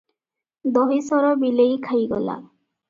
ଦହି ସର ବିଲେଇ ଖାଇଗଲା?